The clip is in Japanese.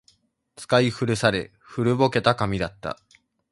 使い古され、古ぼけた紙だった